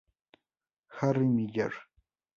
Harry Miller.